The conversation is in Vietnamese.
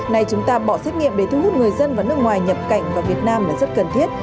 nay chúng ta bỏ xét nghiệm để thu hút người dân và nước ngoài nhập cảnh vào việt nam là rất cần thiết